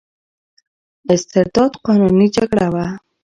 استرداد قانوني جګړه وه.